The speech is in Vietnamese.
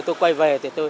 tôi quay về